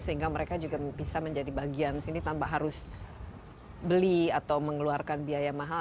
sehingga mereka juga bisa menjadi bagian sini tanpa harus beli atau mengeluarkan biaya mahal